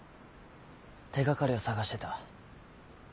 手がかりを探してた。